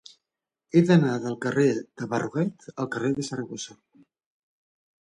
He d'anar del carrer de Berruguete al carrer de Saragossa.